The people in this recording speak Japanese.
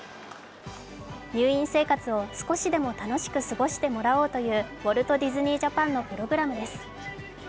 入院生活を少しでも楽しく過ごしてもらおうというウォルト・ディズニー・ジャパンのプログラムです。